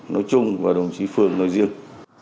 nói chung và đồng chí phương nói riêng